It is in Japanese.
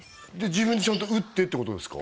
自分でちゃんと打ってってことですか？